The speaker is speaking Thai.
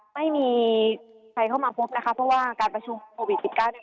ไม่มีใครเข้ามาพบนะคะเพราะว่าการประชุมโควิด๑๙เนี่ย